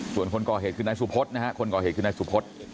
ส่วนคนก่อเหตุคือนายสุพธนะฮะคนก่อเหตุคือนายสุพฤษ